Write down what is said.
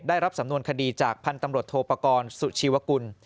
ได้รับสำนวนคดีจากพันธุ์ตำรวจโทปกรณ์สุชีวกุล